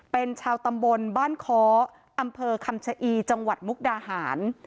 เป็นชาวตำบลบ้านค้ออำเภอคำชะอีจังหวัดมุกดาหาร